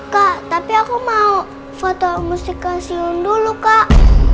kak tapi aku mau foto musik ke sion dulu kak